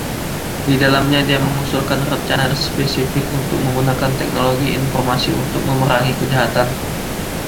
Di dalamnya dia mengusulkan rencana spesifik untuk menggunakan teknologi informasi untuk memerangi kejahatan.